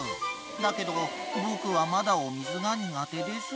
［だけど僕はまだお水が苦手です］